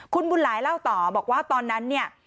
คุณบุญหลายเล่าต่อบอกว่าตอนนั้นเนี่ย